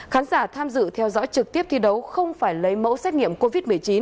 khán giả tham dự theo dõi trực tiếp thi đấu không phải lấy mẫu xét nghiệm covid một mươi chín